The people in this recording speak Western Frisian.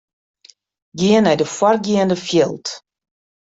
Gean nei de foargeande fjild.